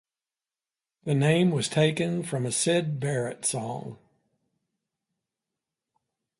The name was taken from a Syd Barrett song.